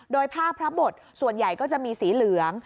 โดยผ้าพระบทส่วนใหญ่ก็จะมีสีเหลือง